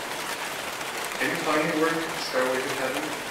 Can you find me work, Stairway to Heaven?